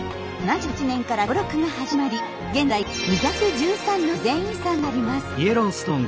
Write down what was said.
１９７８年から登録が始まり現在２１３の自然遺産があります。